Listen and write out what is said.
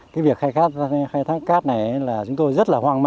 cái việc khai thác cát này là chúng tôi rất là hoang mang